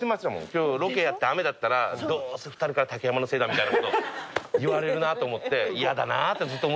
今日ロケやって雨だったらどうせ２人から「竹山のせいだ」みたいなこと言われるなと思って嫌だなってずっと思ってたんですよ。